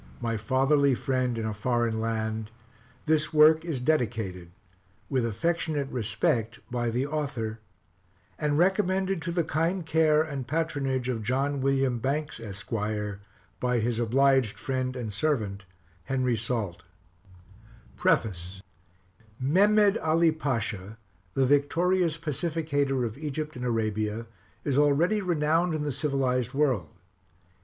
MY FATHERLY FRIEND IN A FOREIGN LAND, THIS WORK IS DEDICATED, WITH AFFECTIONATE RESPECT, BY THE AUTHOR: AND RECOMMENDED TO THE KIND CARE AND PATRONAGE OF JOHN WILLIAM BANKES, ESQ. BY HIS OBLIGED FRIEND AND SERVANT, HENRY SALT. By George Bethune English, General of Artillery in the U.S. Service PREFACE MEHEMMED ALI PASHA, the victorious pacificator of Egypt and Arabia, is already renowned in the civilized world.